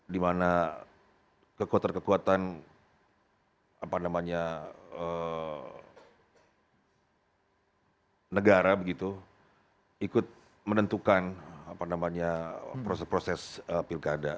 di mana kekuatan kekuatan apa namanya negara begitu ikut menentukan apa namanya proses proses pilkada